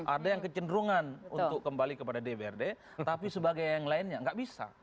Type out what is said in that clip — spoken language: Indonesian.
ada yang kecenderungan untuk kembali kepada dprd tapi sebagai yang lainnya nggak bisa